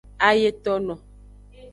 Ayetono.